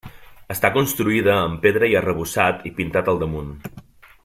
Està construïda amb pedra i arrebossat i pintat al damunt.